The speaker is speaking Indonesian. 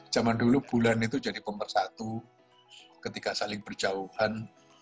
zaman dulu bulan itu jadi pemersatu ketika saling berjauhan